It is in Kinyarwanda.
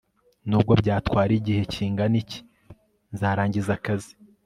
nubwo byatwara igihe kingana iki, nzarangiza akazi